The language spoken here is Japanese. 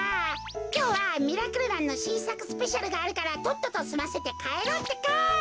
きょうは「ミラクルマン」のしんさくスペシャルがあるからとっととすませてかえろうってか。